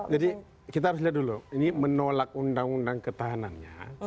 jadi kita harus lihat dulu ini menolak undang undang ketahanannya